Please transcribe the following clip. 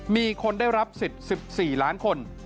มีคนได้รับสิทธิ์๑๔ล้านคน